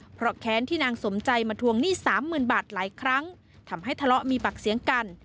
เพราะแค้นที่นางสมใจมาทวงหนี้สามหมื่นบาทหลายครั้งทำให้ทะเลาะมีปากเสียงกัน